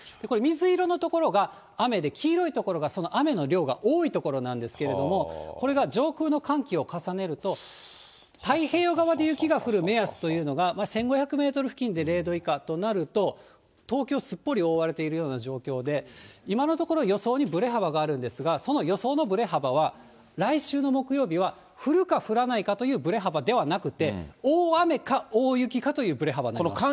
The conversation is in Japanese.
これ、水色の所が雨で、黄色い所がその雨の量が多い所なんですけれども、これが上空の寒気を重ねると、太平洋側で雪が降る目安というのが１５００メートル付近で０度以下となると、東京、すっぽり覆われているような状況で、今のところ、予想にぶれ幅があるんですが、その予想のぶれ幅は、来週の木曜日は降るか降らないかというぶれ幅ではなくて、大雨か大雪かというぶれ幅になります。